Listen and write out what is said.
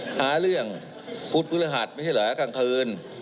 หาเรื่องพุธพฤหัสไม่ใช่เหรอกลางคืน